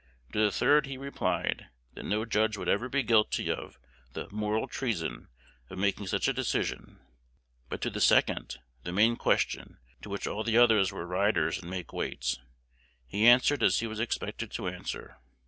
To the third he replied, that no judge would ever be guilty of the "moral treason" of making such a decision. But to the second the main question, to which all the others were riders and make weights he answered as he was expected to answer.